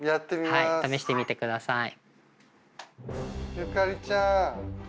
はい試してみてください。